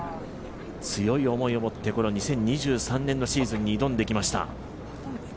強い思いを持って２０２３年のシーズンに挑んできました。